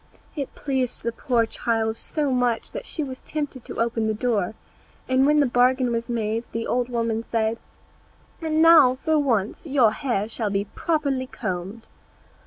It pleased the poor child so much that she was tempted to open the door; and when the bargain was made the old woman said, "Now, for once your hair shall be properly combed."